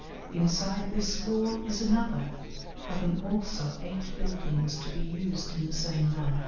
Inside this wall is another, having also eight buildings to be used in the same manner."